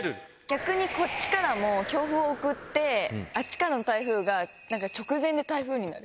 逆にこっちからも強風を送ってあっちからの台風が直前で台風になる。